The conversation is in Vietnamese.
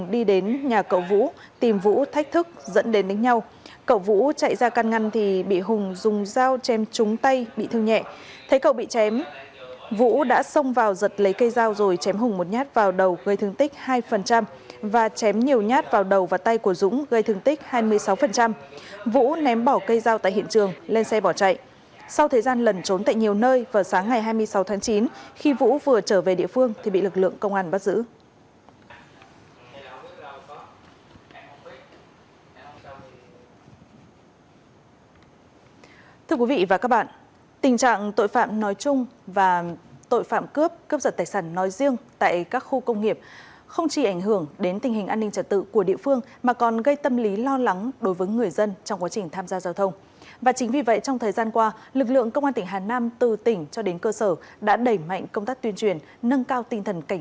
để ý định đi hát và phục vụ nhu cầu cá nhân